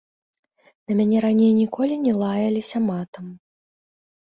На мяне раней ніколі не лаяліся матам.